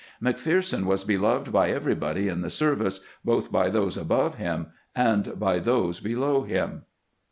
McPherson was beloved by everybody in the service, both by those above him and by those below him."